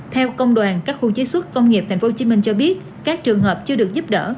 theo công đoàn các khu chế xuất công nghiệp tp hcm cho biết các trường hợp chưa được giúp đỡ